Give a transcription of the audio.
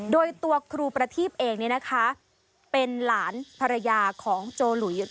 โดยตัวครูประทีบเองเป็นหลานภรรยาของโจหลุยึก